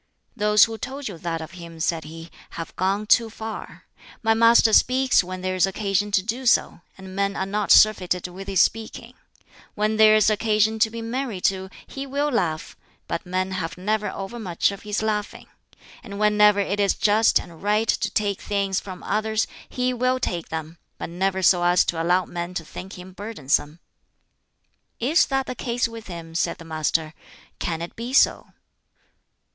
"Those who told you that of him," said he, "have gone too far. My master speaks when there is occasion to do so, and men are not surfeited with his speaking. When there is occasion to be merry too, he will laugh, but men have never overmuch of his laughing. And whenever it is just and right to take things from others, he will take them, but never so as to allow men to think him burdensome." "Is that the case with him?" said the Master. "Can it be so?"